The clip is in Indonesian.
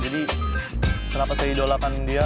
jadi kenapa saya idolakan dia